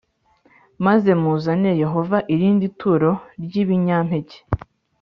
maze muzanire Yehova irindi turo ry ibinyampeke